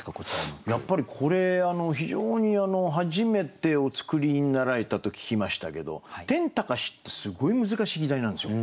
やっぱりこれ非常に初めてお作りになられたと聞きましたけど「天高し」ってすごい難しい季題なんですよ。